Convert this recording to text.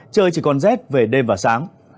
trời chỉ còn rét về đêm và sáng